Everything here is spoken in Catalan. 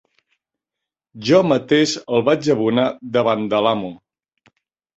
Jo mateix el vaig abonar davant de l'amo.